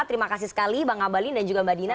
terima kasih sekali bang ngabalin dan juga mbak dina